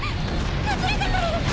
崩れてくる！